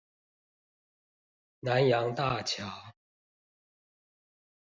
南陽大橋